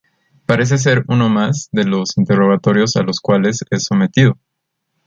Parece ser uno más de los interrogatorios a los cuales es sometido.